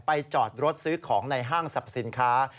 จอดรถซื้อของในห้างสรรพสินค้า